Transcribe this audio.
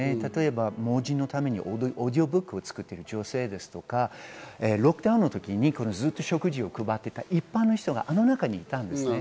例えば盲人のためにオーディオブックを作った女性とか、ロックダウンの時にずっと食事を配っていた一般の人があの中にいたんです。